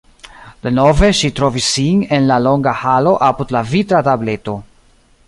Denove ŝi trovis sin en la longa halo apud la vitra tableto.